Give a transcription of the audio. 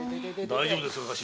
大丈夫ですか頭？